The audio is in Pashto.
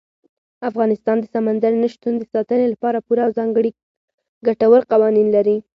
افغانستان د سمندر نه شتون د ساتنې لپاره پوره او ځانګړي ګټور قوانین لري.